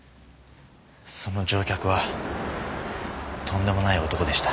その乗客はとんでもない男でした。